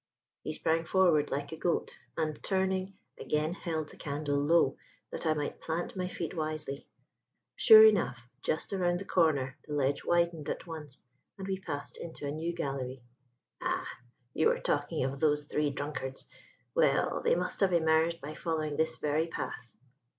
He sprang forward like a goat, and turning, again held the candle low that I might plant my feet wisely. Sure enough, just around the corner the ledge widened at once, and we passed into a new gallery. "Ah, you were talking of those three drunkards? Well, they must have emerged by following this very path."